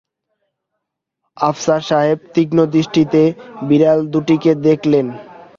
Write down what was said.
আফসার সাহেব তীক্ষ্ণ দৃষ্টিতে বিড়াল দুটিকে দেখলেন।